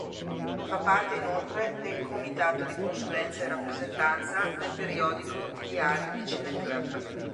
Fa parte, inoltre, del Comitato di consulenza e rappresentanza del periodico Diari di Cineclub.